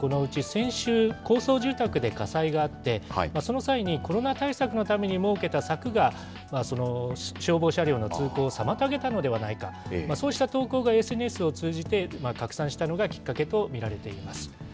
先週、高層住宅で火災があって、その際にコロナ対策のために設けた柵が、消防車両の通行を妨げたのではないか、そうした投稿がＳＮＳを通じて拡散したのがきっかけと見られています。